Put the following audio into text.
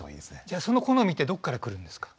じゃあその好みってどっからくるんですか？